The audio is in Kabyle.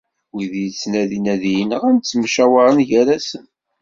Wid yettnadin ad iyi-nɣen, ttemcawaren gar-asen.